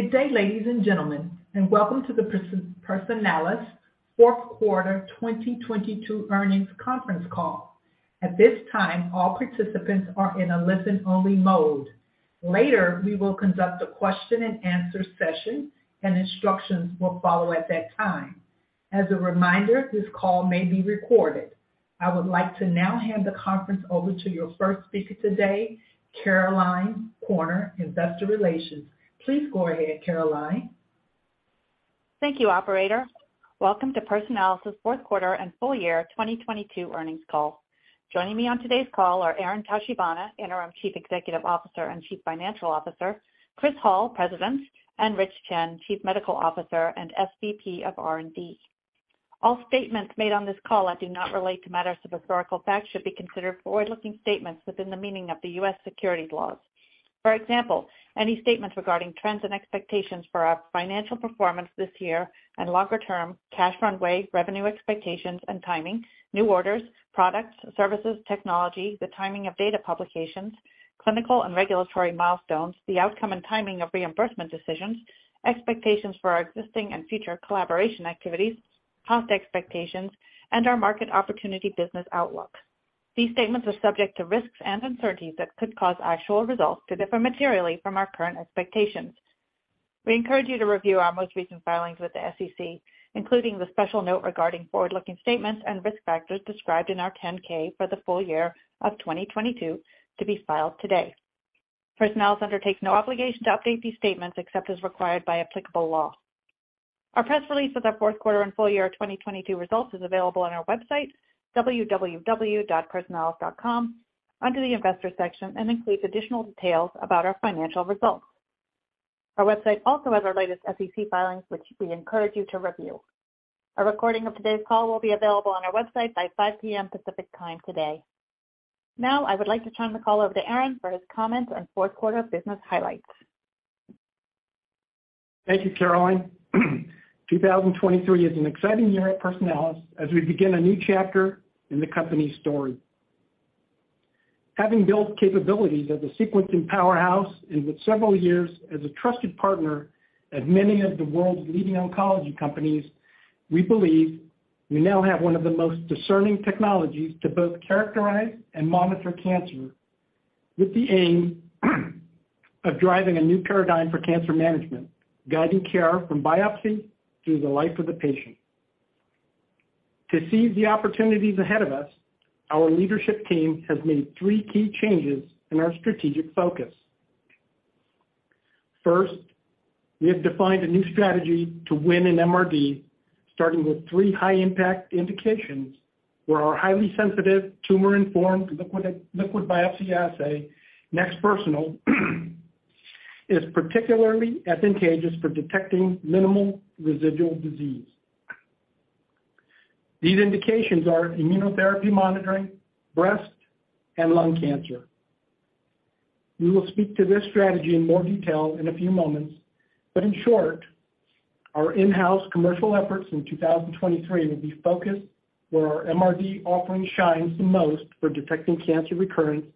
Good day, ladies and gentlemen, welcome to the Personalis Q4 2022 Earnings Conference Call. At this time, all participants are in a listen-only mode. Later, we will conduct a question and answer session, instructions will follow at that time. As a reminder, this call may be recorded. I would like to now hand the conference over to your first speaker today, Caroline Corner, Investor Relations. Please go ahead, Caroline. Thank you, operator. Welcome to Personalis's Q4 and Full Year 2022 Earnings Call. Joining me on today's call are Aaron Tachibana, Interim Chief Executive Officer and Chief Financial Officer, Chris Hall, President, and Rich Chen, Chief Medical Officer and SVP of R&D. All statements made on this call that do not relate to matters of historical fact should be considered forward-looking statements within the meaning of the U.S. securities laws. For example, any statements regarding trends and expectations for our financial performance this year and longer-term cash runway, revenue expectations and timing, new orders, products, services, technology, the timing of data publications, clinical and regulatory milestones, the outcome and timing of reimbursement decisions, expectations for our existing and future collaboration activities, cost expectations, and our market opportunity business outlook. These statements are subject to risks and uncertainties that could cause actual results to differ materially from our current expectations. We encourage you to review our most recent filings with the SEC, including the special note regarding forward-looking statements and risk factors described in our 10-K for the full year of 2022 to be filed today. Personalis undertake no obligation to update these statements except as required by applicable law. Our press release with our Q4 and full year 2022 results is available on our website, www.personalis.com, under the Investors section, and includes additional details about our financial results. Our website also has our latest SEC filings, which we encourage you to review. A recording of today's call will be available on our website by 5:00 PM. Pacific Time today. Now, I would like to turn the call over to Aaron for his comments on fourth quarter business highlights. Thank you, Caroline. 2023 is an exciting year at Personalis as we begin a new chapter in the company's story. Having built capabilities as a sequencing powerhouse and with several years as a trusted partner at many of the world's leading oncology companies, we believe we now have one of the most discerning technologies to both characterize and monitor cancer, with the aim of driving a new paradigm for cancer management, guiding care from biopsy through the life of the patient. To seize the opportunities ahead of us, our leadership team has made three key changes in our strategic focus. First, we have defined a new strategy to win in MRD, starting with three high-impact indications, where our highly sensitive, tumor-informed liquid biopsy assay, NeXT Personal, is particularly advantageous for detecting minimal residual disease. These indications are immunotherapy monitoring, breast and lung cancer. We will speak to this strategy in more detail in a few moments, but in short, our in-house commercial efforts in 2023 will be focused where our MRD offering shines the most for detecting cancer recurrence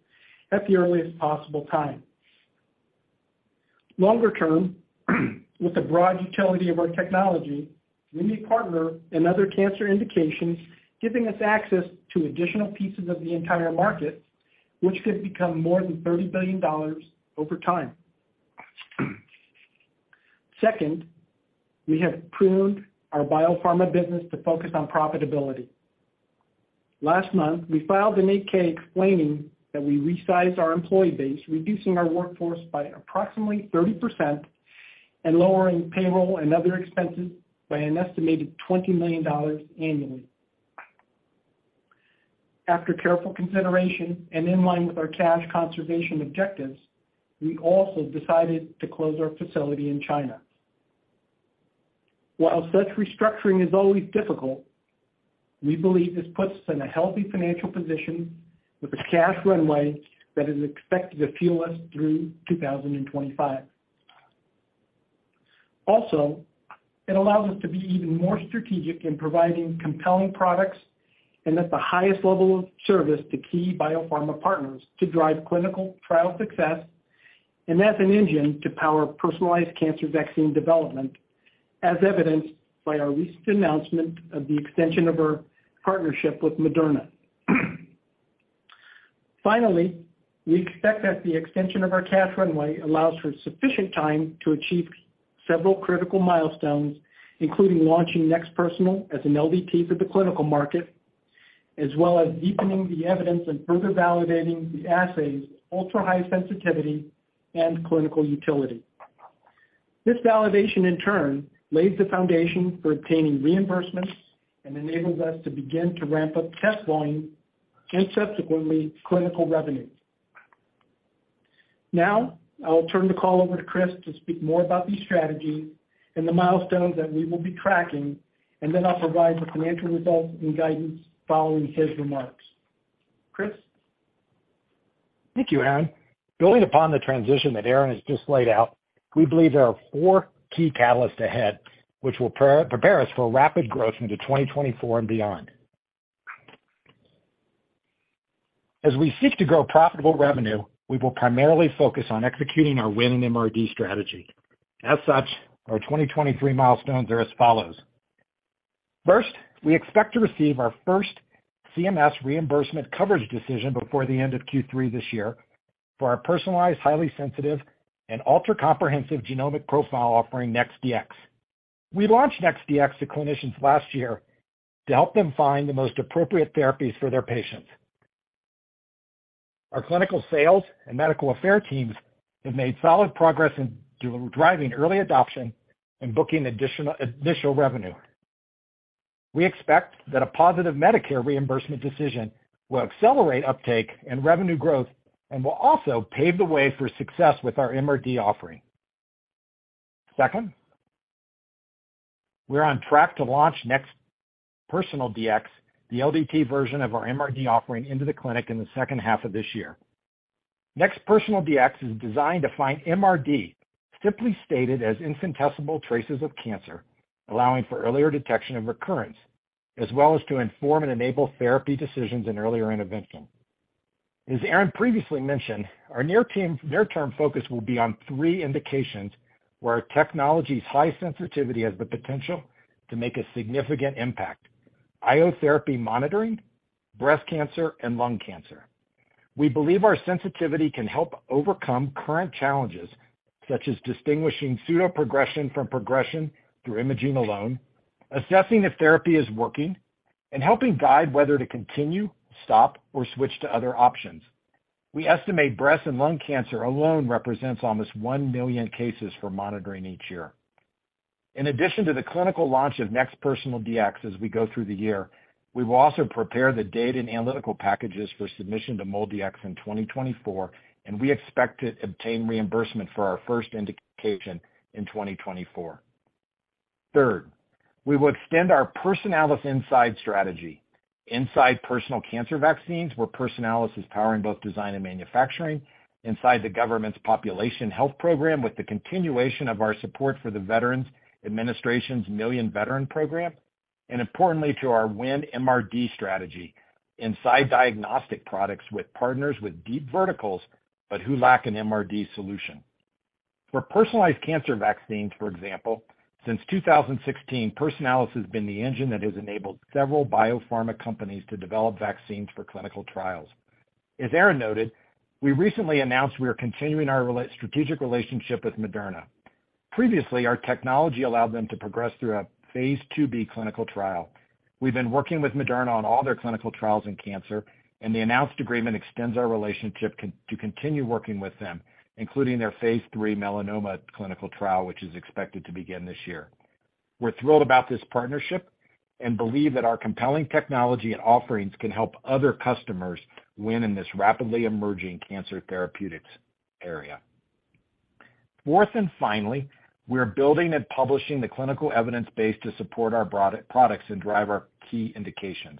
at the earliest possible time. Longer term, with the broad utility of our technology, we may partner in other cancer indications, giving us access to additional pieces of the entire market, which could become more than $30 billion over time. Second, we have pruned our biopharma business to focus on profitability. Last month, we filed an 8-K explaining that we resized our employee base, reducing our workforce by approximately 30% and lowering payroll and other expenses by an estimated $20 million annually. After careful consideration and in line with our cash conservation objectives, we also decided to close our facility in China. While such restructuring is always difficult, we believe this puts us in a healthy financial position with a cash runway that is expected to fuel us through 2025. Also, it allows us to be even more strategic in providing compelling products and at the highest level of service to key biopharma partners to drive clinical trial success and as an engine to power personalized cancer vaccine development, as evidenced by our recent announcement of the extension of our partnership with Moderna. Finally, we expect that the extension of our cash runway allows for sufficient time to achieve several critical milestones, including launching NeXT Personal as an LDT for the clinical market, as well as deepening the evidence and further validating the assay's ultra-high sensitivity and clinical utility. This validation, in turn, lays the foundation for obtaining reimbursements and enables us to begin to ramp up test volume and subsequently clinical revenue. Now, I will turn the call over to Chris to speak more about these strategies and the milestones that we will be tracking, and then I'll provide the financial results and guidance following his remarks. Chris? Thank you, Aaron. Building upon the transition that Aaron has just laid out, we believe there are four key catalysts ahead which will prepare us for rapid growth into 2024 and beyond. As we seek to grow profitable revenue, we will primarily focus on executing our winning MRD strategy. As such, our 2023 milestones are as follows. First, we expect to receive our first CMS reimbursement coverage decision before the end of Q3 this year for our personalized, highly sensitive, and ultra comprehensive genomic profile offering NeXT Dx. We launched NeXT Dx to clinicians last year to help them find the most appropriate therapies for their patients. Our clinical sales and medical affair teams have made solid progress in driving early adoption and booking initial revenue. We expect that a positive Medicare reimbursement decision will accelerate uptake and revenue growth, and will also pave the way for success with our MRD offering. Second, we're on track to launch NeXT Personal Dx, the LDT version of our MRD offering into the clinic in the second half of this year. NeXT Personal Dx is designed to find MRD, simply stated as instant testable traces of cancer, allowing for earlier detection of recurrence, as well as to inform and enable therapy decisions and earlier intervention. As Aaron previously mentioned, our near-term focus will be on three indications where our technology's high sensitivity has the potential to make a significant impact: IO therapy monitoring, breast cancer, and lung cancer. We believe our sensitivity can help overcome current challenges, such as distinguishing pseudoprogression from progression through imaging alone, assessing if therapy is working, and helping guide whether to continue, stop, or switch to other options. We estimate breast and lung cancer alone represents almost 1 million cases for monitoring each year. In addition to the clinical launch of NeXT Personal Dx as we go through the year, we will also prepare the data and analytical packages for submission to MolDX in 2024. We expect to obtain reimbursement for our first indication in 2024. Third, we will extend our Personalis Inside strategy inside personal cancer vaccines, where Personalis is powering both design and manufacturing inside the government's population health program, with the continuation of our support for the Veterans Administration's Million Veteran Program, and importantly to our win MRD strategy inside diagnostic products with partners with deep verticals, but who lack an MRD solution. For personalized cancer vaccines, for example, since 2016, Personalis has been the engine that has enabled several biopharma companies to develop vaccines for clinical trials. As Aaron noted, we recently announced we are continuing our strategic relationship with Moderna. Previously, our technology allowed them to progress through a phase IIb clinical trial. We've been working with Moderna on all their clinical trials in cancer, and the announced agreement extends our relationship to continue working with them, including their phase III melanoma clinical trial, which is expected to begin this year. We're thrilled about this partnership and believe that our compelling technology and offerings can help other customers win in this rapidly emerging cancer therapeutics area. Fourth and finally, we are building and publishing the clinical evidence base to support our products and drive our key indications.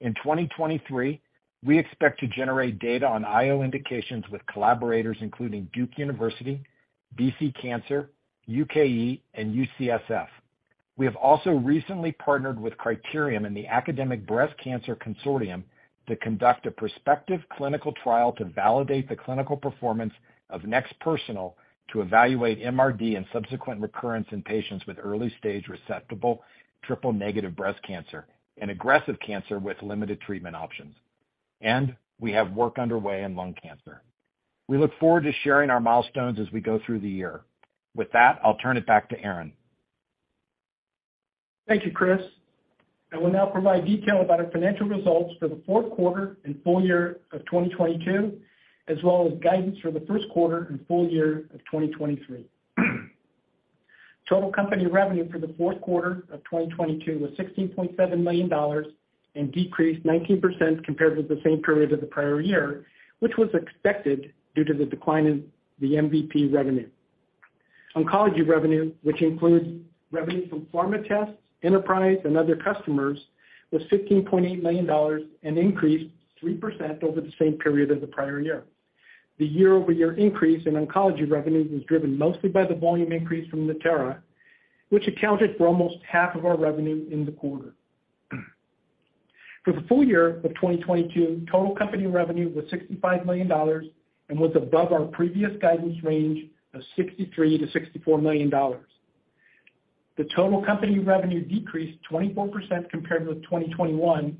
In 2023, we expect to generate data on IO indications with collaborators including Duke University, BC Cancer, UKE, and UCSF. We have also recently partnered with Criterium in the Academic Breast Cancer Consortium to conduct a prospective clinical trial to validate the clinical performance of NeXT Personal to evaluate MRD and subsequent recurrence in patients with early stage resectable triple-negative breast cancer and aggressive cancer with limited treatment options. We have work underway in lung cancer. We look forward to sharing our milestones as we go through the year. With that, I'll turn it back to Aaron. Thank you, Chris. I will now provide detail about our financial results for the Q4 and full year of 2022, as well as guidance for the Q1 and full year of 2023. Total company revenue for the Q4 of 2022 was $16.7 million and decreased 19% compared with the same period of the prior year, which was expected due to the decline in the MVP revenue. Oncology revenue, which includes revenue from pharma tests, enterprise and other customers, was $15.8 million, an increase 3% over the same period as the prior year. The year-over-year increase in oncology revenues was driven mostly by the volume increase from Natera, which accounted for almost 1/2 of our revenue in the quarter. For the full year of 2022, total company revenue was $65 million and was above our previous guidance range of $63 million-$64 million. The total company revenue decreased 24% compared with 2021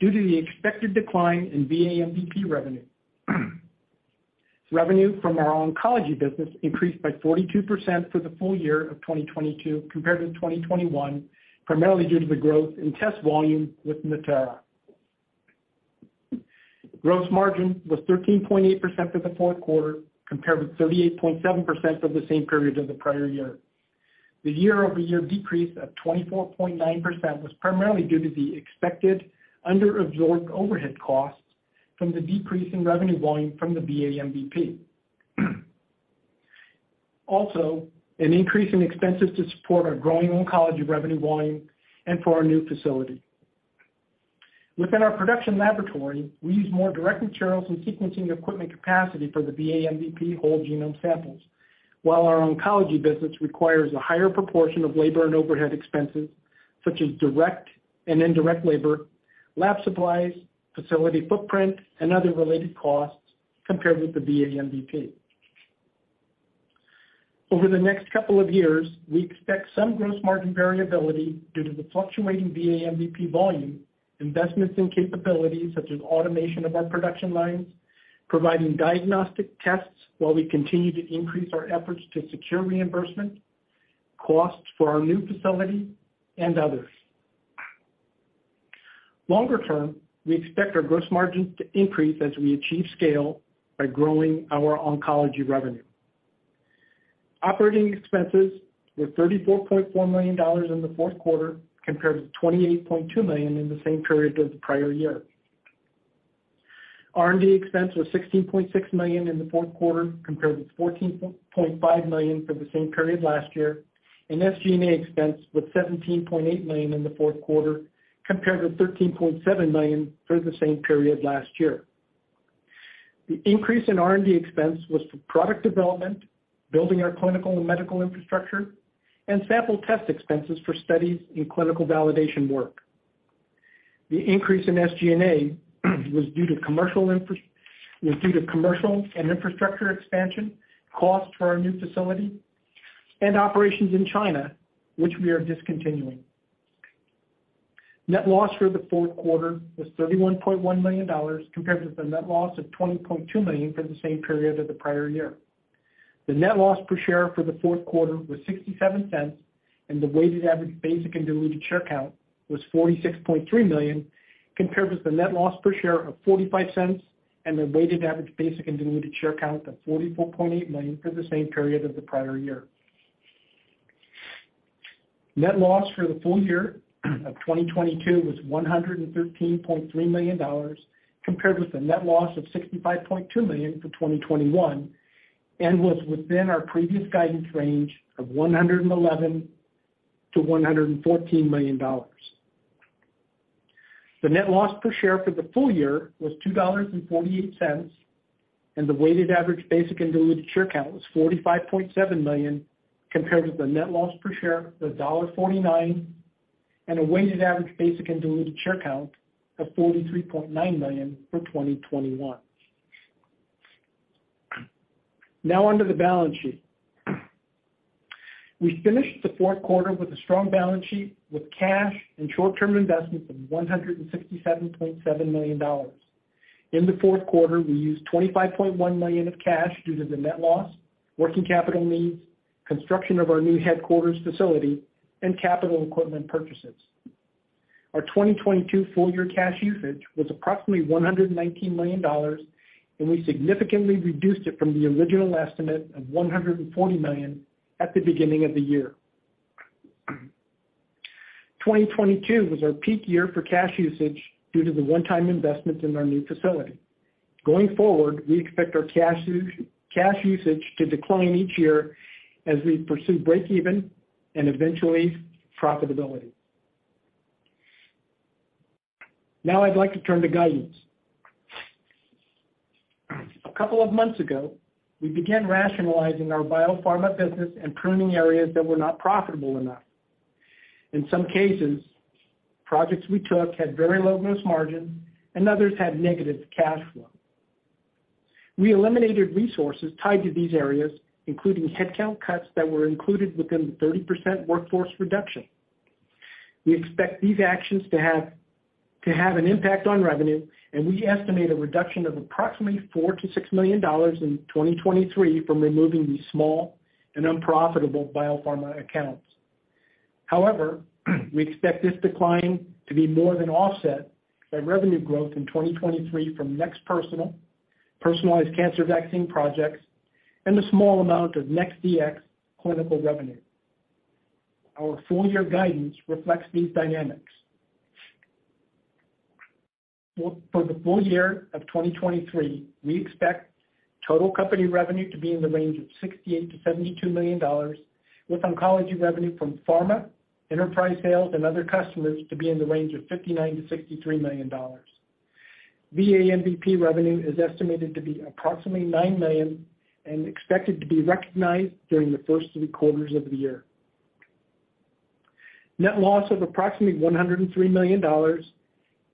due to the expected decline in VA MVP revenue. Revenue from our oncology business increased by 42% for the full year of 2022 compared to 2021, primarily due to the growth in test volume with Natera. Gross margin was 13.8% for the Q4, compared with 38.7% for the same period as the prior year. The year-over-year decrease of 24.9% was primarily due to the expected under absorbed overhead costs from the decrease in revenue volume from the VA MVP. Also, an increase in expenses to support our growing oncology revenue volume and for our new facility. Within our production laboratory, we use more direct materials and sequencing equipment capacity for the VA MVP whole genome samples. Our oncology business requires a higher proportion of labor and overhead expenses, such as direct and indirect labor, lab supplies, facility footprint, and other related costs compared with the VA MVP. Over the next couple of years, we expect some gross margin variability due to the fluctuating VA MVP volume, investments in capabilities such as automation of our production lines, providing diagnostic tests while we continue to increase our efforts to secure reimbursement, costs for our new facility and others. Longer term, we expect our gross margins to increase as we achieve scale by growing our oncology revenue. Operating expenses were $34.4 million in the Q4 compared to $28.2 million in the same period of the prior year. R&D expense was $16.6 million in the Q4 compared with $14.5 million for the same period last year, and SG&A expense was $17.8 million in the Q4 compared with $13.7 million for the same period last year. The increase in R&D expense was for product development, building our clinical and medical infrastructure, and sample test expenses for studies in clinical validation work. The increase in SG&A was due to commercial and infrastructure expansion, cost for our new facility, and operations in China, which we are discontinuing. Net loss for the Q4 was $31.1 million compared with a net loss of $20.2 million for the same period of the prior year. The net loss per share for the Q4 was $0.67, and the weighted average basic and diluted share count was $46.3 million compared with the net loss per share of $0.45 and a weighted average basic and diluted share count of $44.8 million for the same period of the prior year. Net loss for the full year of 2022 was $113.3 million compared with a net loss of $65.2 million for 2021 and was within our previous guidance range of $111 million-$114 million. The net loss per share for the full year was $2.48, and the weighted average basic and diluted share count was $45.7 million compared with the net loss per share of $1.49 and a weighted average basic and diluted share count of $43.9 million for 2021. Now on to the balance sheet. We finished the Q4 with a strong balance sheet with cash and short-term investments of $167.7 million. In the Q4, we used $25.1 million of cash due to the net loss, working capital needs, construction of our new headquarters facility, and capital equipment purchases. Our 2022 full year cash usage was approximately $119 million, and we significantly reduced it from the original estimate of $140 million at the beginning of the year. 2022 was our peak year for cash usage due to the one-time investment in our new facility. Going forward, we expect our cash usage to decline each year as we pursue breakeven and eventually profitability. Now I'd like to turn to guidance. A couple of months ago, we began rationalizing our biopharma business and pruning areas that were not profitable enough. In some cases, projects we took had very low gross margins, and others had negative cash flow. We eliminated resources tied to these areas, including headcount cuts that were included within the 30% workforce reduction. We expect these actions to have an impact on revenue, and we estimate a reduction of approximately $4 million-$6 million in 2023 from removing these small and unprofitable biopharma accounts. However, we expect this decline to be more than offset by revenue growth in 2023 from NeXT Personal, personalized cancer vaccine projects, and a small amount of NeXT Dx clinical revenue. Our full year guidance reflects these dynamics. For the full year of 2023, we expect total company revenue to be in the range of $68 million-$72 million, with oncology revenue from pharma, enterprise sales, and other customers to be in the range of $59 million-$63 million. VA MVP revenue is estimated to be approximately $9 million and expected to be recognized during the first three quartes of the year. Net loss of approximately $103 million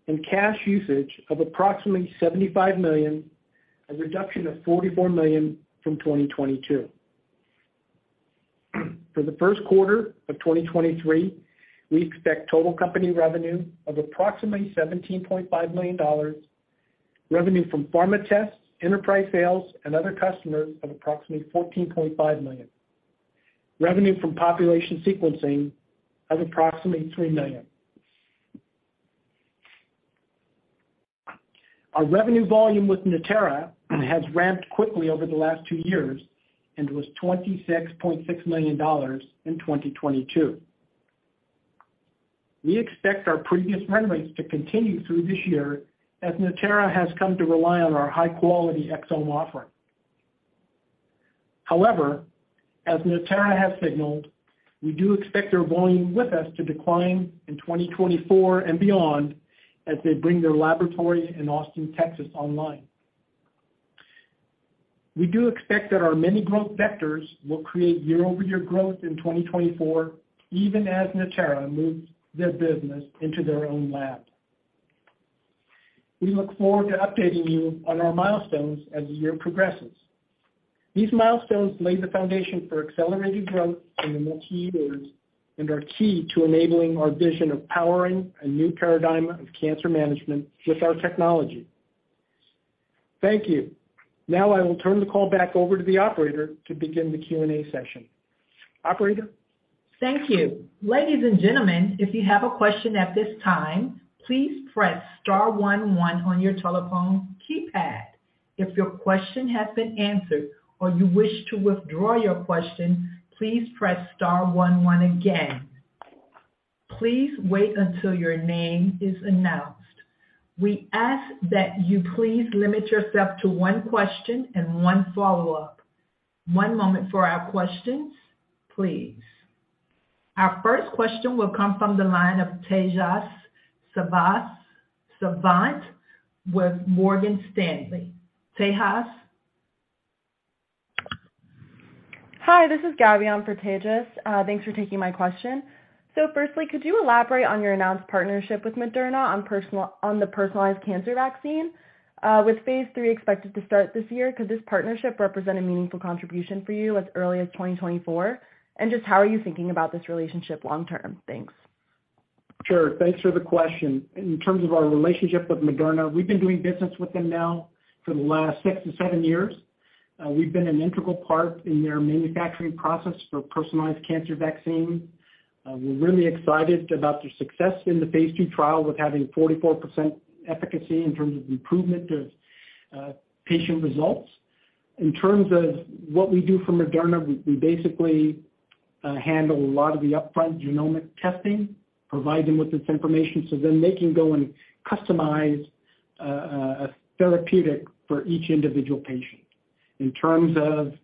and cash usage of approximately $75 million, a reduction of $44 million from 2022. For the Q1 of 2023, we expect total company revenue of approximately $17.5 million, revenue from pharma tests, enterprise sales, and other customers of approximately $14.5 million, revenue from population sequencing of approximately $3 million. Our revenue volume with Natera has ramped quickly over the last two years and was $26.6 million in 2022. We expect our previous run rates to continue through this year as Natera has come to rely on our high-quality exome offering. However, as Natera has signaled, we do expect their volume with us to decline in 2024 and beyond as they bring their laboratory in Austin, Texas online. We do expect that our many growth vectors will create year-over-year growth in 2024, even as Natera moves their business into their own lab. We look forward to updating you on our milestones as the year progresses. These milestones lay the foundation for accelerated growth in the multi-years and are key to enabling our vision of powering a new paradigm of cancer management with our technology. Thank you. I will turn the call back over to the operator to begin the Q&A session. Operator? Thank you. Ladies and gentlemen, if you have a question at this time, please press star one one on your telephone keypad. If your question has been answered or you wish to withdraw your question, please press star one one again. Please wait until your name is announced. We ask that you please limit yourself to one question and one follow-up. One moment for our questions, please. Our first question will come from the line of Tejas Savant with Morgan Stanley. Tejas? Hi, this is Gabby on for Tejas. Thanks for taking my question. Firstly, could you elaborate on your announced partnership with Moderna on the personalized cancer vaccine? With phase III expected to start this year, could this partnership represent a meaningful contribution for you as early as 2024? Just how are you thinking about this relationship long term? Thanks. Sure. Thanks for the question. In terms of our relationship with Moderna, we've been doing business with them now for the last six to seven years. We've been an integral part in their manufacturing process for personalized cancer vaccine. We're really excited about their success in the phase II trial with having 44% efficacy in terms of improvement of patient results. In terms of what we do for Moderna, we basically handle a lot of the upfront genomic testing, provide them with this information, so then they can go and customize a therapeutic for each individual patient. In terms of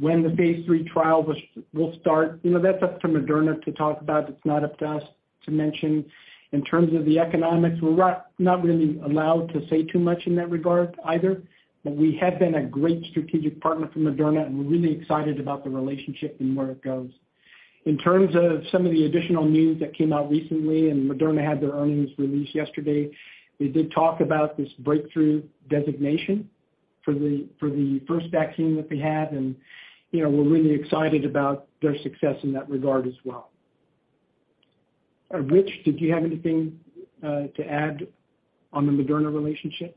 when the phase III trial will start, you know, that's up to Moderna to talk about. It's not up to us to mention. In terms of the economics, we're not really allowed to say too much in that regard either. We have been a great strategic partner for Moderna, and we're really excited about the relationship and where it goes. In terms of some of the additional news that came out recently, and Moderna had their earnings released yesterday, they did talk about this Breakthrough designation for the, for the first vaccine that they had, and, you know, we're really excited about their success in that regard as well. Rich, did you have anything to add on the Moderna relationship?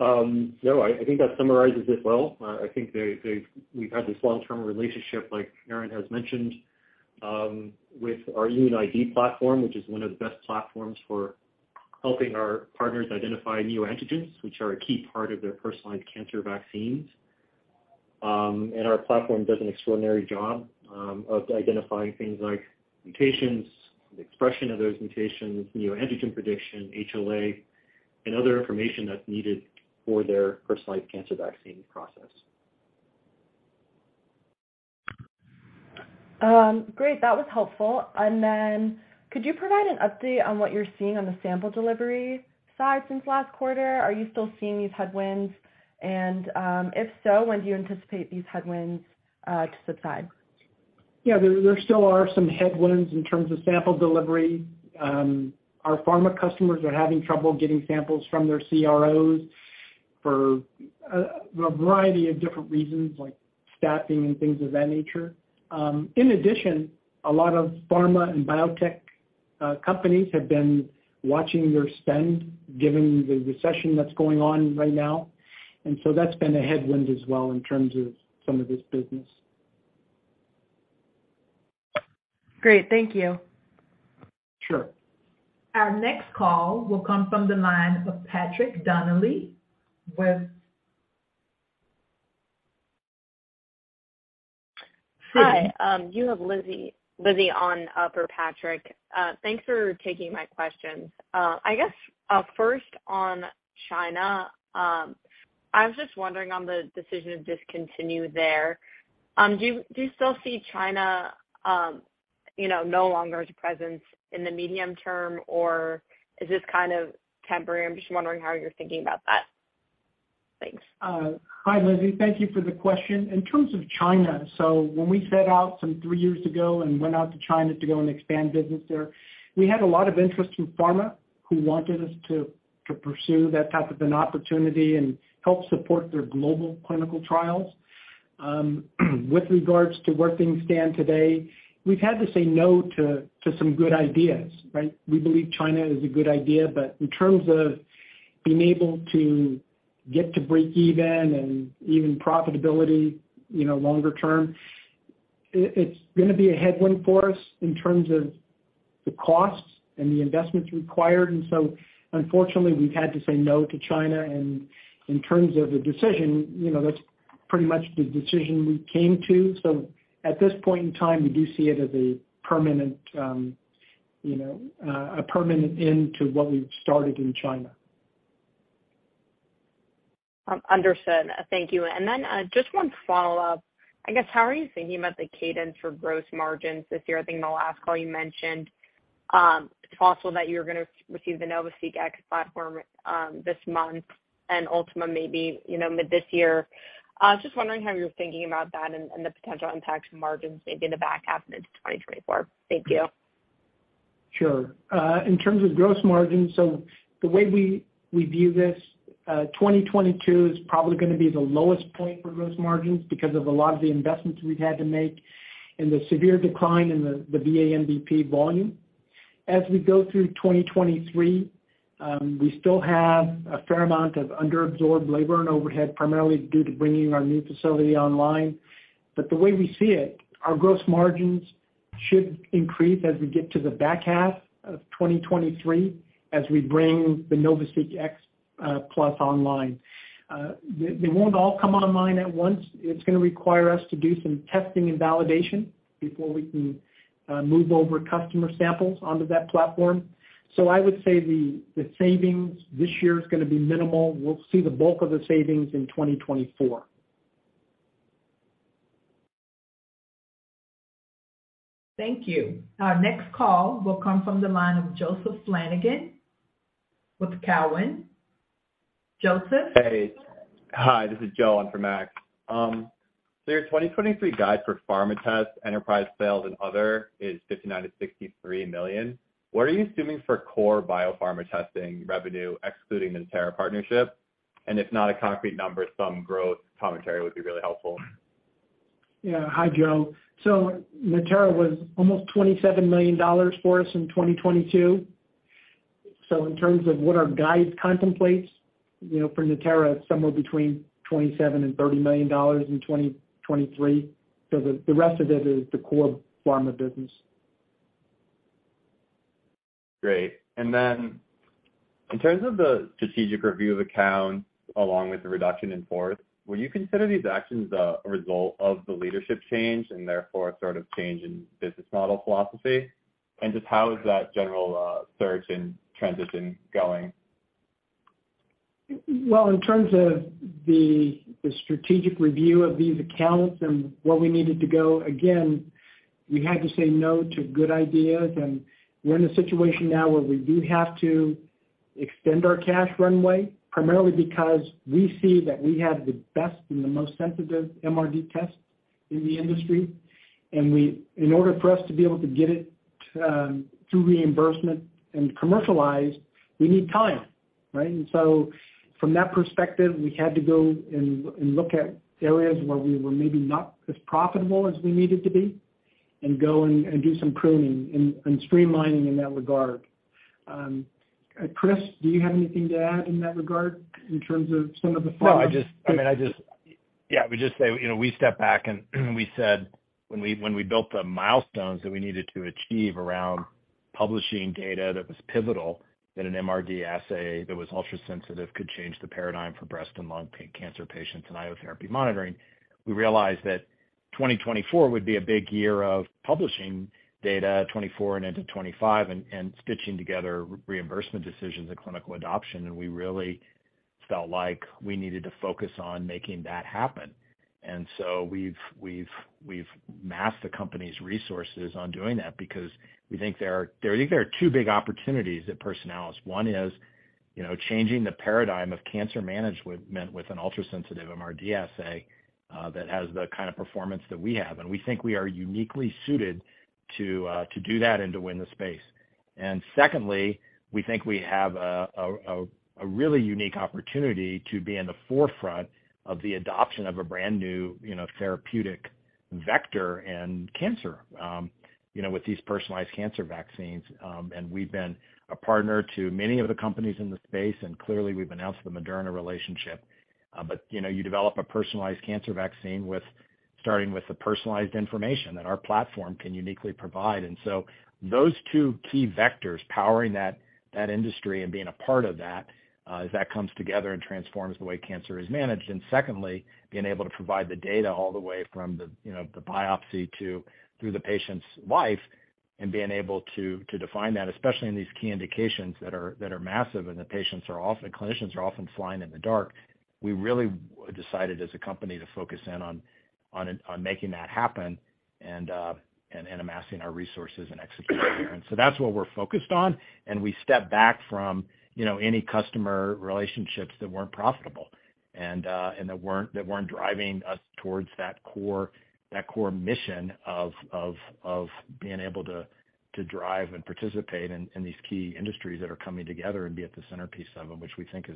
No, I think that summarizes it well. I think we've had this long-term relationship, like Aaron has mentioned, with our ImmunoID NeXT platform, which is one of the best platforms for helping our partners identify neoantigens, which are a key part of their personalized cancer vaccines. Our platform does an extraordinary job of identifying things like mutations, the expression of those mutations, neoantigen prediction, HLA, and other information that's needed for their personalized cancer vaccine process. Great. That was helpful. Could you provide an update on what you're seeing on the sample delivery side since last quarter? Are you still seeing these headwinds? If so, when do you anticipate these headwinds to subside? Yeah. There still are some headwinds in terms of sample delivery. Our pharma customers are having trouble getting samples from their CROs for a variety of different reasons, like staffing and things of that nature. In addition, a lot of pharma and biotech companies have been watching their spend given the recession that's going on right now, and so that's been a headwind as well in terms of some of this business. Great. Thank you. Sure. Our next call will come from the line of Patrick Donnelly with Citi. Hi. You have Lizzie on for Patrick. Thanks for taking my questions. I guess first on China, I was just wondering on the decision to discontinue there, do you still see China, you know, no longer as a presence in the medium term, or is this kind of temporary? I'm just wondering how you're thinking about that. Thanks. Hi, Lizzie. Thank you for the question. In terms of China, when we set out some three years ago and went out to China to go and expand business there, we had a lot of interest from pharma who wanted us to pursue that type of an opportunity and help support their global clinical trials. With regards to where things stand today, we've had to say no to some good ideas, right? We believe China is a good idea, in terms of being able to get to breakeven and even profitability, you know, longer term, it's gonna be a headwind for us in terms of the costs and the investments required. Unfortunately, we've had to say no to China. In terms of the decision, you know, that's pretty much the decision we came to. At this point in time, we do see it as a permanent, you know, a permanent end to what we've started in China. Understood. Thank you. Then, just one follow-up. I guess, how are you thinking about the cadence for gross margins this year? I think in the last call you mentioned, it's possible that you're gonna receive the NovaSeq X platform, this month and Ultima maybe, you know, mid this year. I was just wondering how you're thinking about that and the potential impact to margins maybe in the back half into 2024. Thank you. Sure. In terms of gross margins, the way we view this, 2022 is probably going to be the lowest point for gross margins because of a lot of the investments we've had to make and the severe decline in the VA MVP volume. As we go through 2023, we still have a fair amount of underabsorbed labor and overhead, primarily due to bringing our new facility online. The way we see it, our gross margins should increase as we get to the back half of 2023, as we bring the NovaSeq X Plus online. They won't all come online at once. It's going to require us to do some testing and validation before we can move over customer samples onto that platform. I would say the savings this year is going to be minimal. We'll see the bulk of the savings in 2024. Thank you. Our next call will come from the line of Joseph Flanagan with Cowen. Joseph? Hey. Hi, this is Joe in for Max. Your 2023 guide for pharma tests, enterprise sales, and other is $59 million-$63 million. What are you assuming for core biopharma testing revenue excluding Natera partnership? If not a concrete number, some growth commentary would be really helpful. Yeah. Hi, Joe. Natera was almost $27 million for us in 2022. In terms of what our guide contemplates, you know, for Natera, it's somewhere between $27 million and $30 million in 2023. The rest of it is the core pharma business. Great. In terms of the strategic review of accounts along with the reduction in force, will you consider these actions a result of the leadership change and therefore a sort of change in business model philosophy? Just how is that general search and transition going? Well, in terms of the strategic review of these accounts and where we needed to go, again, we had to say no to good ideas. We're in a situation now where we do have to extend our cash runway, primarily because we see that we have the best and the most sensitive MRD tests in the industry. We in order for us to be able to get it through reimbursement and commercialized, we need time, right? From that perspective, we had to go and look at areas where we were maybe not as profitable as we needed to be and go and do some pruning and streamlining in that regard. Chris, do you have anything to add in that regard in terms of some of the follow-up? No, I mean, yeah, we just say, you know, we stepped back and we said when we built the milestones that we needed to achieve around publishing data that was pivotal, that an MRD assay that was ultra-sensitive could change the paradigm for breast and lung cancer patients and IO therapy monitoring, we realized that 2024 would be a big year of publishing data, 2024 and into 2025, and stitching together reimbursement decisions and clinical adoption, and we really felt like we needed to focus on making that happen. We've masked the company's resources on doing that because I think there are two big opportunities at Personalis. One is, you know, changing the paradigm of cancer management with an ultra-sensitive MRD assay that has the kind of performance that we have. We think we are uniquely suited to do that and to win the space. Secondly, we think we have a really unique opportunity to be in the forefront of the adoption of a brand new, you know, therapeutic vector in cancer, you know, with these personalized cancer vaccines. We've been a partner to many of the companies in the space, and clearly, we've announced the Moderna relationship. You know, you develop a personalized cancer vaccine with starting with the personalized information that our platform can uniquely provide. Those two key vectors powering that industry and being a part of that, as that comes together and transforms the way cancer is managed, and secondly, being able to provide the data all the way from the, you know, the biopsy through the patient's life and being able to define that, especially in these key indications that are massive and clinicians are often flying in the dark, we really decided as a company to focus in on making that happen and amassing our resources and executing there. That's what we're focused on, and we step back from, you know, any customer relationships that weren't profitable and that weren't driving us towards that core mission of being able to drive and participate in these key industries that are coming together and be at the centerpiece of them, which we think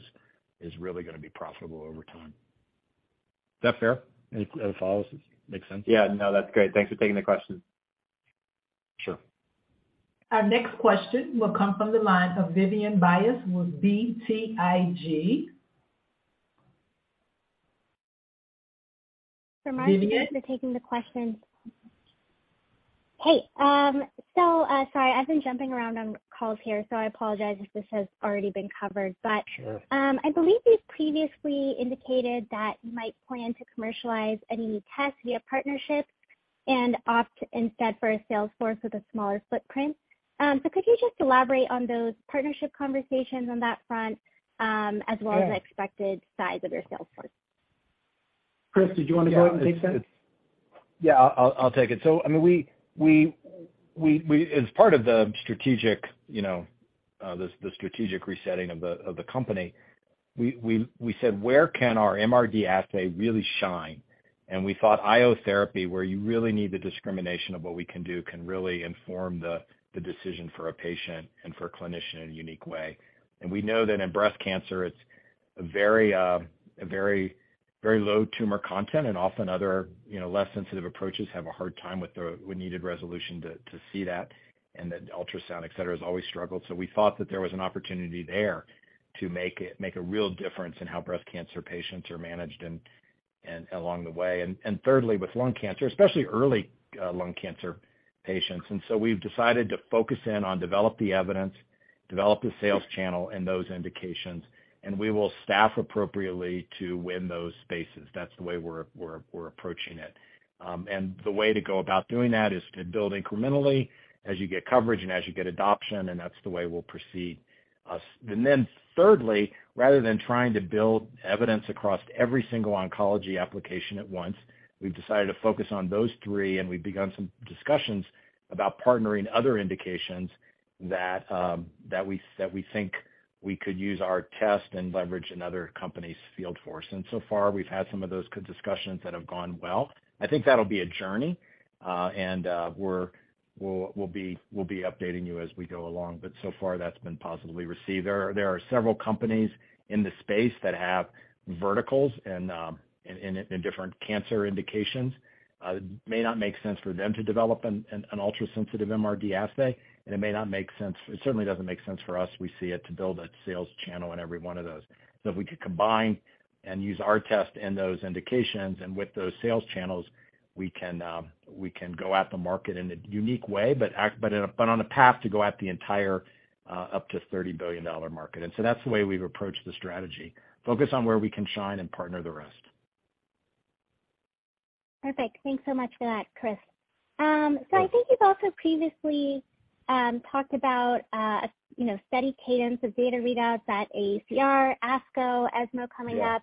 is really gonna be profitable over time. Is that fair? Any follows? Make sense? Yeah. No, that's great. Thanks for taking the question. Sure. Our next question will come from the line of Vidyun Bais with BTIG. Vivian? For Aaron and Chris for taking the questions. Hey, sorry, I've been jumping around on calls here, so I apologize if this has already been covered. Sure. I believe you've previously indicated that you might plan to commercialize any tests via partnerships and opt instead for a sales force with a smaller footprint. Could you just elaborate on those partnership conversations on that front, as well as the expected size of your sales force? Chris, did you want to go ahead and take that? Yeah, it's. Yeah, I'll take it. I mean, we As part of the strategic, you know, the strategic resetting of the company, we said, "Where can our MRD assay really shine?" We thought IO therapy, where you really need the discrimination of what we can do, can really inform the decision for a patient and for a clinician in a unique way. We know that in breast cancer it's a very, a very, very low tumor content and often other, you know, less sensitive approaches have a hard time with the needed resolution to see that, and that ultrasound, et cetera, has always struggled. We thought that there was an opportunity there to make a real difference in how breast cancer patients are managed and along the way. Thirdly, with lung cancer, especially early, lung cancer patients, we've decided to focus in on develop the evidence, develop the sales channel and those indications, and we will staff appropriately to win those spaces. That's the way we're approaching it. The way to go about doing that is to build incrementally as you get coverage and as you get adoption, and that's the way we'll proceed. Thirdly, rather than trying to build evidence across every single oncology application at once, we've decided to focus on those three and we've begun some discussions about partnering other indications that we think we could use our test and leverage another company's field force. So far we've had some of those good discussions that have gone well. I think that'll be a journey, and we'll be updating you as we go along, but so far that's been positively received. There are several companies in the space that have verticals and in different cancer indications. It may not make sense for them to develop an ultrasensitive MRD assay. It certainly doesn't make sense for us, we see it, to build a sales channel in every one of those. If we could combine and use our test in those indications and with those sales channels, we can go at the market in a unique way, but on a path to go at the entire up to $30 billion market. That's the way we've approached the strategy. Focus on where we can shine and partner the rest. Perfect. Thanks so much for that, Chris. Sure. I think you've also previously, talked about, you know, steady cadence of data readouts at AACR, ASCO, ESMO coming up.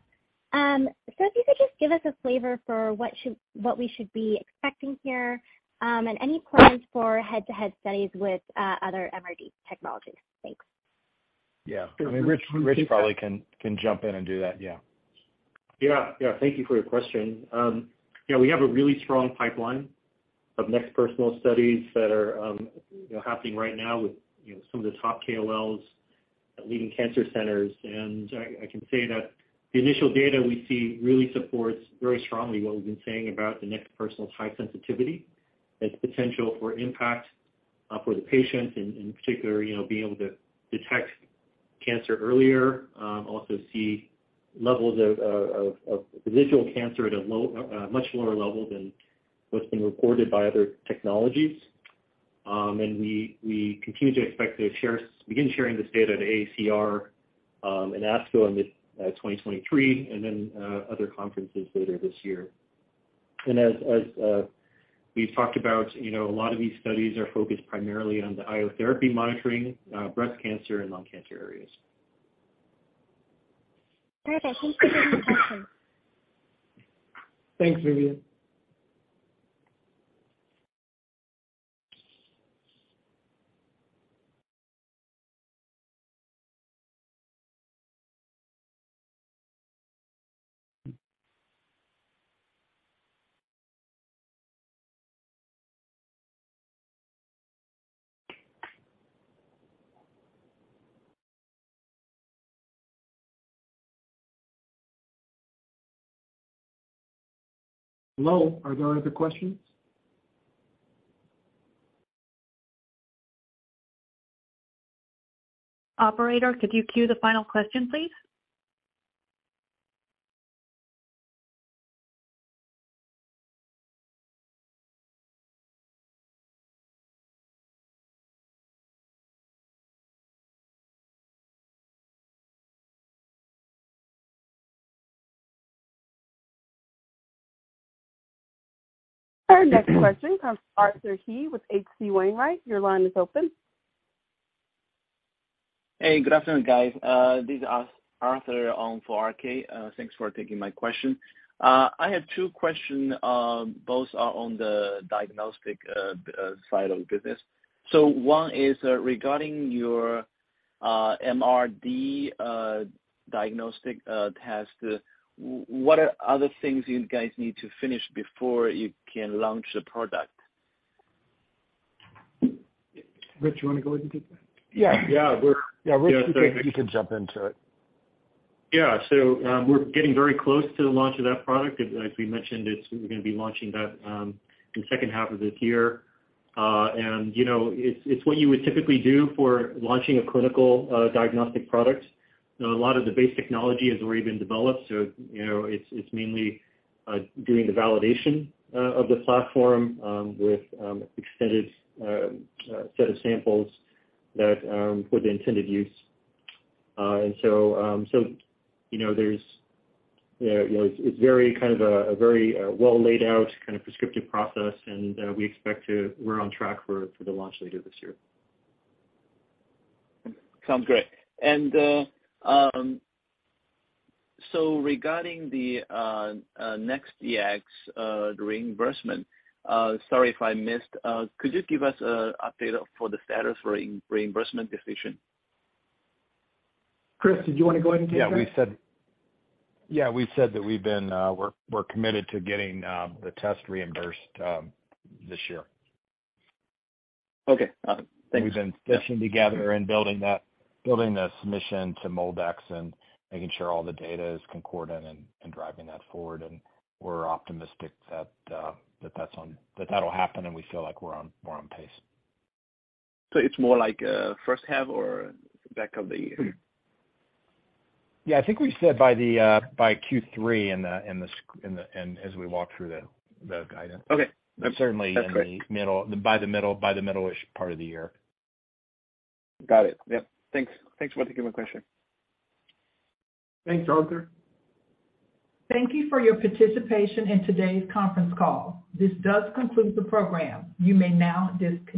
Yeah. If you could just give us a flavor for what we should be expecting here, and any plans for head-to-head studies with other MRD technologies? Thanks. Yeah. I mean, Rich probably can jump in and do that. Yeah. Yeah. Yeah. Thank you for your question. Yeah, we have a really strong pipeline of NeXT Personal studies that are, you know, happening right now with, you know, some of the top KOLs at leading cancer centers. I can say that the initial data we see really supports very strongly what we've been saying about the NeXT Personal's high sensitivity, its potential for impact for the patient, in particular, you know, being able to detect cancer earlier, also see levels of visual cancer at a much lower level than what's been reported by other technologies. We, we continue to expect to begin sharing this data at AACR and ASCO in mid-2023, then other conferences later this year as we've talked about, you know, a lot of these studies are focused primarily on the IO therapy monitoring, breast cancer and lung cancer areas. Perfect. Thank you for the question. Thanks, Vivian. Hello, are there other questions? Operator, could you queue the final question, please? Our next question comes Arthur He with H.C. Wainwright. Your line is open. Hey, good afternoon, guys. This is Arthur for RK. Thanks for taking my question. I have two question, both are on the diagnostic side of the business. One is regarding your MRD diagnostic test. What are other things you guys need to finish before you can launch the product? Rich, you wanna go ahead and take that? Yeah. Yeah. Rich, I think you can jump into it. We're getting very close to the launch of that product. As we mentioned, it's, we're gonna be launching that in second half of this year. You know, it's what you would typically do for launching a clinical diagnostic product. You know, a lot of the base technology has already been developed, so you know, it's mainly doing the validation of the platform with extended set of samples that for the intended use. You know, there's, you know, it's very kind of a very well laid out kind of prescriptive process, and we're on track for the launch later this year. Sounds great. Regarding the NeXT Dx reimbursement, sorry if I missed, could you give us a update for the status for reimbursement decision? Chris, did you want to go ahead and take that? Yeah, we've said that we're committed to getting the test reimbursed this year. Okay. Got it. Thanks. We've been stitching together and building the submission to MolDX and making sure all the data is concordant and driving that forward. We're optimistic that that'll happen, and we feel like we're on pace. It's more like, first half or back of the year? Yeah. I think we said by the by Q3 in the and as we walk through the guidance. Okay. That's great. Certainly in the middle, by the middle-ish part of the year. Got it. Yep. Thanks. Thanks for taking my question. Thanks, Arthur. Thank you for your participation in today's conference call. This does conclude the program. You may now disconnect.